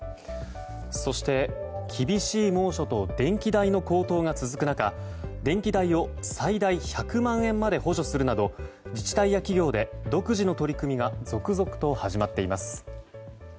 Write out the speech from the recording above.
そして、厳しい猛暑と電気代の高騰が続く中電気代を最大１００万円まで補助するなど自治体や企業で独自の取り組みが続々とはじまっています。